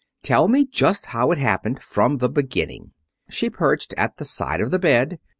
Tell me just how it happened. From the beginning." She perched at the side of the bed.